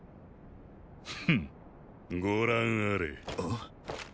フッご覧あれ。